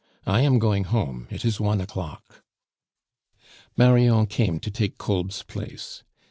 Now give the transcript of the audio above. I am going home; it is one o'clock." Marion came to take Kolb's place.